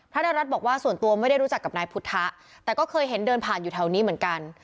นรัฐบอกว่าส่วนตัวไม่ได้รู้จักกับนายพุทธะแต่ก็เคยเห็นเดินผ่านอยู่แถวนี้เหมือนกัน